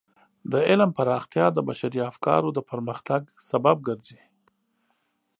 د علم پراختیا د بشري افکارو د پرمختګ سبب ګرځي.